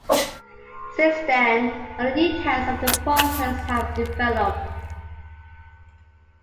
Since then, other details of the process have developed.